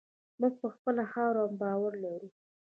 موږ په خپله خاوره باور لرو.